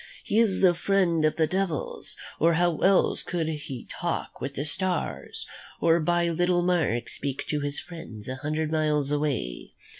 He is the friend of the devils, or how else could he talk with the stars, or by little marks speak to his friends a hundred miles away?